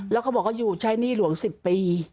แล้วเขาบอกว่าอยู่ใช้หนี้หลวง๑๐ปี